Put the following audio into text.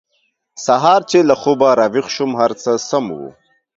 سهار چې له خوبه راویښ شوم هر څه سم وو